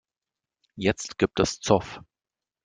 Jetzt gibt es Zoff.